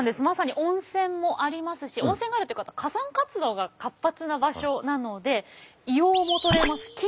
まさに温泉もありますし温泉があるということは火山活動が活発な場所なので硫黄も採れます。